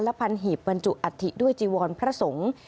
พันหีบบรรจุอัฐิด้วยจีวรพระสงฆ์